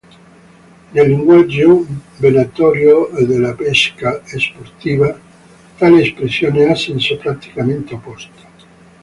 Nel linguaggio venatorio e della pesca sportiva, tale espressione ha senso praticamente opposto.